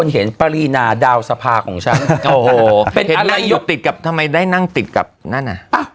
เห็น่านั่งอยู่ติดกับทำไมได้นั่งติดกับนั่นอ่ะ